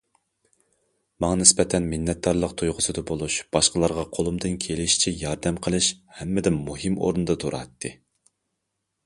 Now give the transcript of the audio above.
ماڭا نىسبەتەن مىننەتدارلىق تۇيغۇسىدا بولۇش، باشقىلارغا قولۇمدىن كېلىشىچە ياردەم قىلىش ھەممىدىن مۇھىم ئورۇندا تۇراتتى.